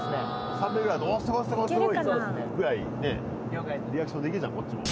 ３秒ぐらいだと「おぉすごいすごいすごい」ぐらいねリアクションできるじゃんこっちも。